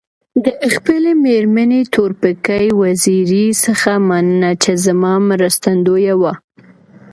د خپلي مېرمني تورپیکۍ وزيري څخه مننه چي زما مرستندويه وه.